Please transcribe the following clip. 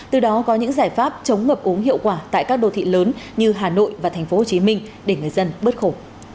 từ đó có những giải pháp chống ngập úng hiệu quả tại các đô thị lớn như hà nội và tp hcm để người dân bớt khổ